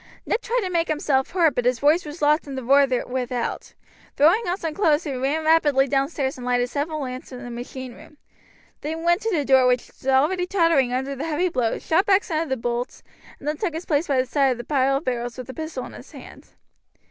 Ned tried to make himself heard, but his voice was lost in the roar without. Throwing on some clothes he ran rapidly downstairs and lighted several lamps in the machine room. Then he went to the door, which was already tottering under the heavy blows, shot back some of the bolts, and then took his place by the side of the pile of barrels with a pistol in his hand.